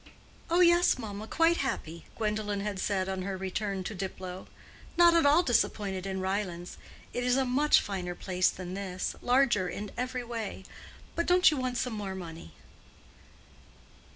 "Oh, yes, mamma, quite happy," Gwendolen had said on her return to Diplow. "Not at all disappointed in Ryelands. It is a much finer place than this—larger in every way. But don't you want some more money?"